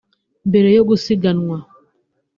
Mbere yo gusiganwa